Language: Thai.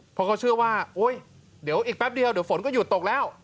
เพราะเขาเชื่อว่าโอ๊ยเดี๋ยวอีกแป๊บเดียวเดี๋ยวฝนก็หยุดตกแล้ว